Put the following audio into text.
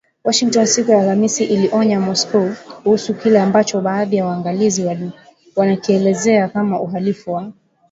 Washington siku ya Alhamis iliionya Moscow kuhusu kile ambacho baadhi ya waangalizi wanakielezea kama uhalifu wa